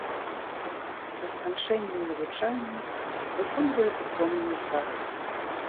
Пры сканчэнні навучання выконвае дыпломную працу.